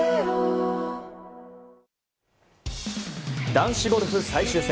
男子ゴルフ最終戦。